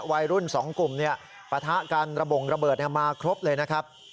วัยรุ่น๒กลุ่มปะทะกันระบงระเบิดมาครบเลยนะครับ